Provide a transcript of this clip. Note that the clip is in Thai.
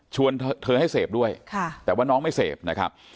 เธอให้เสพด้วยแต่ว่าน้องไม่เสพนะครับ